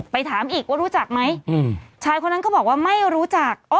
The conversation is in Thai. ถามอีกว่ารู้จักไหมชายคนนั้นก็บอกว่าไม่รู้จัก